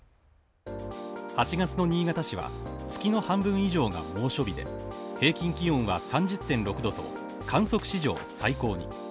８月の新潟市は月の半分以上が猛暑日で、平均気温は３０．６度と観測史上最高に。